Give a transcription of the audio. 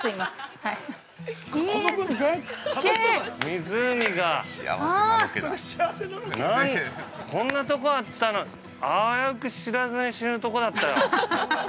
◆湖がこんなとこ、あったの、あやうく知らずに死ぬとこだったよ。